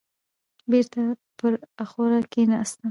بېرته پر اخور کيناست.